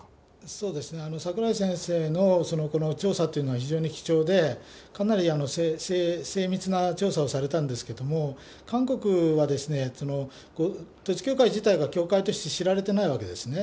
そうですね、櫻井先生のこの調査というのは非常に貴重で、かなり精密な調査をされたんですけども、韓国は統一教会自体が教会として知られてないわけですね。